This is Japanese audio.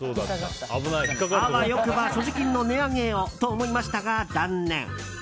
あわよくば所持金の値上げをと思いましたが断念。